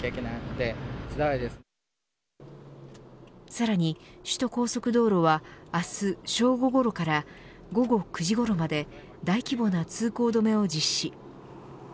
さらに首都高速道路は明日正午ごろから午後９時ごろまで大規模な通行止めを実施。